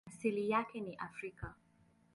Asili yake ni Afrika.